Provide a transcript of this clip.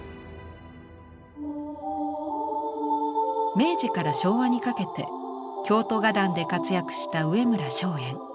明治から昭和にかけて京都画壇で活躍した上村松園。